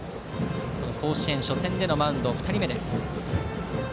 甲子園初戦でのマウンド２人目です。